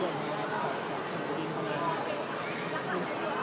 ตอนนี้ก็ต้องพักตัวเนี้ยตอนนี้ก็ต้องพักตัวเนี้ย